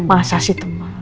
masa sih temen